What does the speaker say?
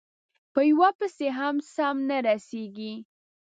په یوه پسې هم سم نه رسېږي،